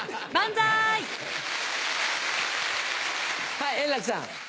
はい円楽さん。